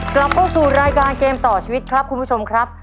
กลับเข้าสู่รายการเกมต่อชีวิตครับคุณผู้ชมครับ